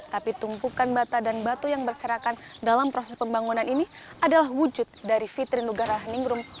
tapi tumpukan bata dan batu yang berserakan dalam proses pembangunan ini adalah wujud dari fitri nugara ningrum